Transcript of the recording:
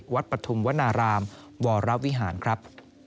วัดประธุมวนารามวรวิหารครับ